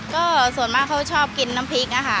ก็ส่วนมากเขาชอบกินน้ำพริกนะคะ